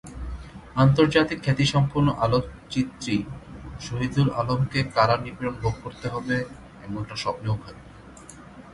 আন্তর্জাতিক খ্যাতিসম্পন্ন আলোকচিত্রী শহিদুল আলমকে কারা-নিপীড়ন ভোগ করতে হবে, এমনটা স্বপ্নেও ভাবিনি।